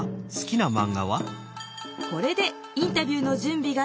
これでインタビューの準備ができました。